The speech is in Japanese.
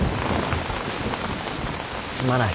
すまない。